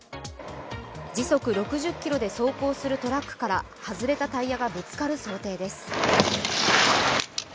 時速６０キロで走行するトラックから外れたタイヤがぶつかる想定です。